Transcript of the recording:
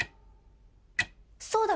そうだ！